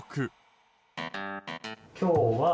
今日は。